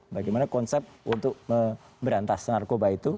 bagaimana konsep untuk berantas narkoba itu